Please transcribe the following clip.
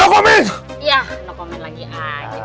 yah no comment lagi aja